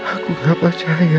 aku gak percaya ma